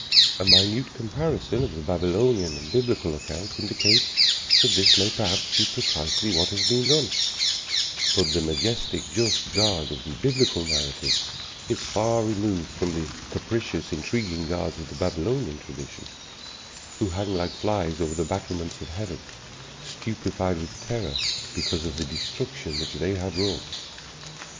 A minute comparison of the Babylonian and Biblical accounts indicates that this may perhaps be precisely what has been done; but the majestic, just God of the Biblical narratives is far removed from the capricious, intriguing gods of the Babylonian tradition, who hang like flies over the battlements of heaven, stupefied with terror because of the destruction which they had wrought.